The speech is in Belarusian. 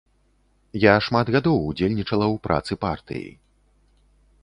Я шмат гадоў удзельнічала ў працы партыі.